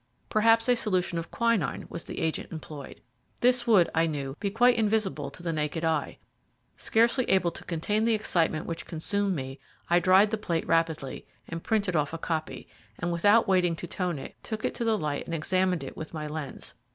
Perhaps a solution of quinine was the agent employed. This would, I knew, be quite invisible to the naked eye. Scarcely able to contain the excitement which consumed me, I dried the plate rapidly, and printed off a copy, and without waiting to tone it, took it to the light and examined it with my lens.